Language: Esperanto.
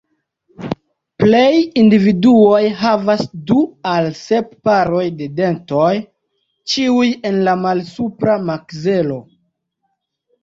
Plej individuoj havas du al sep paroj de dentoj, ĉiuj en la malsupra makzelo.